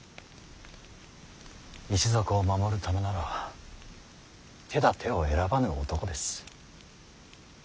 一族を守るためなら手だてを選ばぬ男です。